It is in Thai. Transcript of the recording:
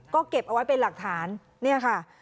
ก็เก็บเอาไว้เป็นหลักฐานเนี่ยค่ะ